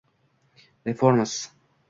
Reforms